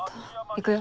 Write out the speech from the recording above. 行くよ。